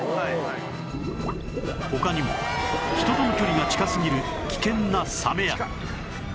他にも人との距離が近すぎる危険なサメや